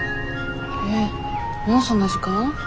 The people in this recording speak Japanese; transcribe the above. えっもうそんな時間？